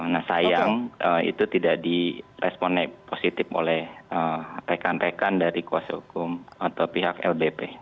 nah sayang itu tidak di respon positif oleh rekan rekan dari kuasa hukum atau pihak lbp